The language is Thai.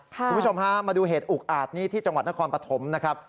คุณผู้ชมฮะมาดูเหตุอุกอาจนี้ที่จังหวัดนครปฐมนะครับ